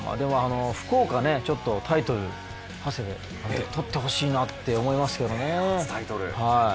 福岡、ちょっとタイトル、長谷部、取ってほしいなって思いますけどね。